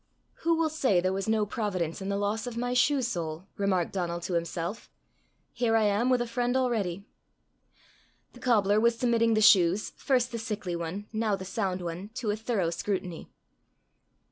"Who will say there was no providence in the loss of my shoe sole!" remarked Donal to himself. "Here I am with a friend already!" The cobbler was submitting the shoes, first the sickly one, now the sound one, to a thorough scrutiny.